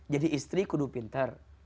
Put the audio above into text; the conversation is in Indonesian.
jadi istri kudu pintar